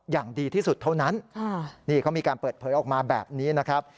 อย่างดีที่สุดเท่านั้นนี่เขามีการเปิดเผยออกมาแบบนี้นะครับ